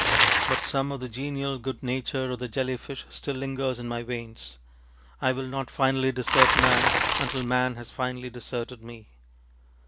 But some of the genial good nature of the jelly fish still lingers in my veins. I will not finally desert man until man has finally deserted me.